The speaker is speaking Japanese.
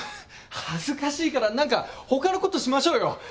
恥ずかしいから何かほかのことしましょうよ。